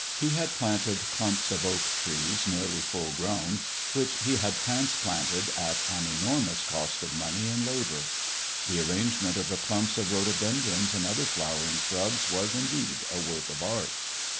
He had planted clumps of oak trees nearly full grown, which he had transplanted at an enormous cost of money and labor. The arrangement of the clumps of rhododendrons and other flowering shrubs was, indeed, a work of art.